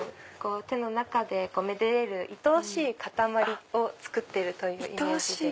手の中でめでれるいとおしい塊を作ってるというイメージで。